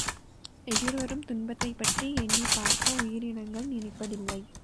எதிர்வரும் துன்பத்தைப்பற்றி எண்ணிப் பார்க்க உயிரினங்கள் நினைப்பதில்லை.